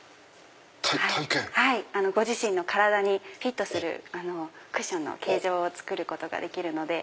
ご自身の体にフィットするクッションの形状を作ることができるので。